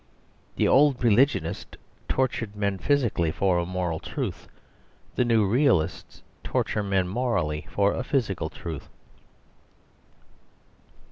The old religionists tortured men physically for a moral truth. The new realists torture men morally for a physical truth.